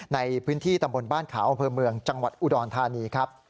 ในพื้นที่ตำบลบ้านขาวอำเภอเมืองจังหวัดอุดรธานีครับ